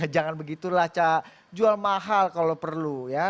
jangan begitu lah cak jual mahal kalau perlu ya